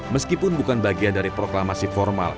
meskipun bukan bagian dari proklamasi formal